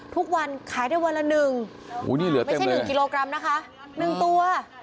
ทุกวันขายได้วันละ๑ไม่ใช่๑กิโลกรัมนะคะ๑ตัว